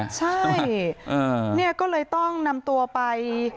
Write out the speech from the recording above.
ใช่นี่ก็เลยต้องนำตัวไป